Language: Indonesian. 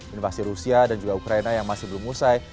invasi rusia dan juga ukraina yang masih belum usai